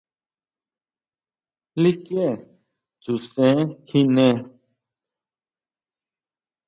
¿Likie Chuʼsén inchakjine?